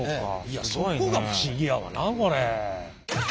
そこが不思議やわなこれ。